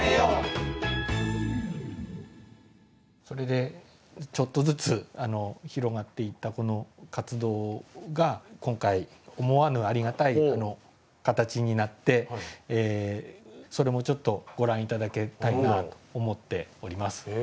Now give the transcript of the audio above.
それでちょっとずつ広がっていったこの活動が今回思わぬありがたい形になってそれもちょっとご覧頂きたいなと思っております。